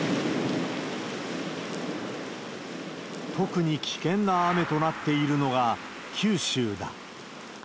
特に危険な雨となっているのが九州だ。